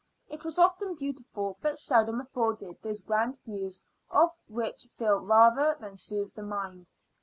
It was often beautiful, but seldom afforded those grand views which fill rather than soothe the mind.